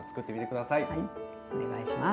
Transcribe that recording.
はいお願いします。